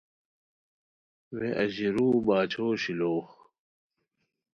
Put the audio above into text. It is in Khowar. وے اژیروؤ باچھو شیلوغ